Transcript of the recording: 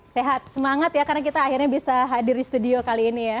sehat semangat ya karena kita akhirnya bisa hadir di studio kali ini ya